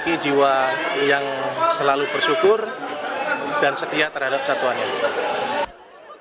memiliki jiwa yang selalu bersyukur dan setia terhadap satuannya